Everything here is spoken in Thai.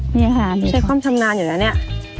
นี่ค่ะที่ใช้ความชำนาญอยู่นะเนี่ย